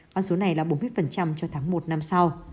con số này là bốn mươi cho tháng một năm sau